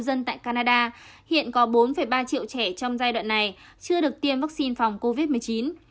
dân tại canada hiện có bốn ba triệu trẻ trong giai đoạn này chưa được tiêm vaccine phòng covid một mươi chín